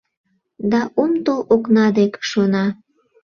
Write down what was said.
Да ом тол окна дек, шона.